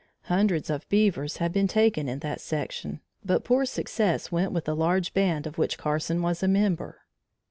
Hundreds of beavers had been taken in that section, but poor success went with the large band of which Carson was a member.